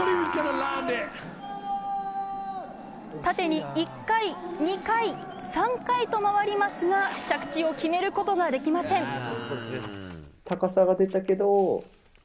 縦に１回、２回、３回と回りますが着地を決めることができません。